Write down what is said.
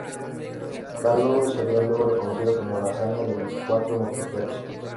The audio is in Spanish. Tal logro sería luego reconocido como la "hazaña de los cuatro mosqueteros".